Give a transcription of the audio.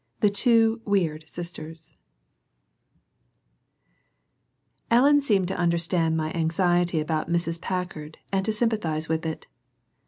THE TWO WEIRD SISTERS Ellen seemed to understand my anxiety about Mrs. Packard and to sympathize with it.